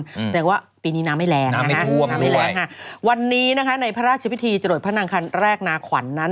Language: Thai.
แสดงว่าปีนี้น้ำไม่แรงน้ำไม่แรงค่ะวันนี้นะคะในพระราชพิธีจรวดพระนางคันแรกนาขวัญนั้น